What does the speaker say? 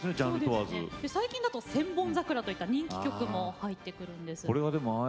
最近だと「千本桜」といった人気曲も入っています。